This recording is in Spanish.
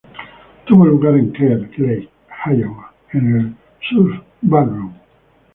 Tuvo lugar en Clear Lake, Iowa, en el Surf Ballroom.